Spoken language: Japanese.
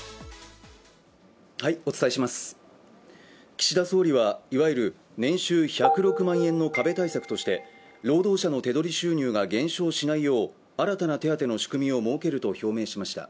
岸田総理は、いわゆる年収１０６万円の壁対策として労働者の手取り収入が減少しないよう、新たな手当の仕組みを設けると表明しました。